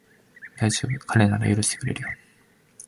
だいじょうぶ、彼なら許してくれるよ